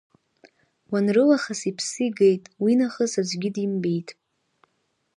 Уанрылахыс иԥсы игеит уи нахыс аӡәгьы димбеит.